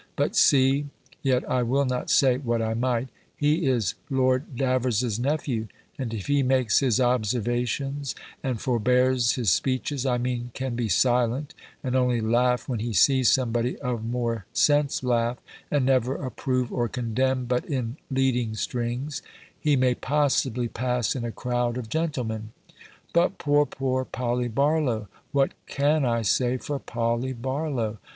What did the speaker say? But see Yet I will not say what I might He is Lord Davers's nephew; and if he makes his observations, and forbears his speeches (I mean, can be silent, and only laugh when he sees somebody of more sense laugh, and never approve or condemn but in leading strings), he may possibly pass in a crowd of gentlemen. But poor, poor Polly Barlow! What can I say for Polly Barlow?